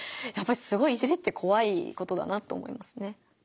やっぱりすごい「いじり」ってこわいことだなと思いますね。